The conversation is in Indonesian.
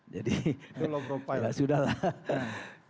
jadi ya sudah lah